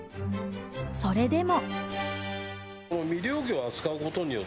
それでも。